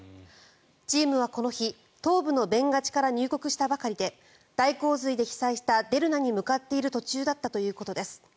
チームはこの日東部のベンガジから入国したばかりで大洪水で被災したデルナに向かっている途中だったということです。